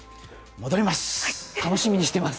戻ります！